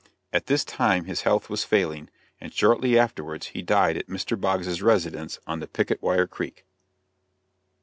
At this time his health was failing, and shortly afterwards he died at Mr. Boggs' residence on the Picket Wire Creek.